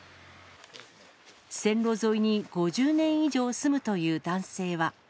線路沿いに５０年以上住むという男性は。